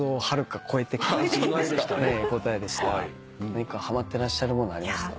何かハマってらっしゃるものありますか？